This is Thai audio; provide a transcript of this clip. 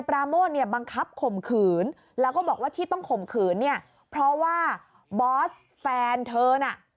แล้วก็บอกว่าที่ต้องข่มขืนเนี่ยเพราะว่าบอสแฟนเธอน่ะ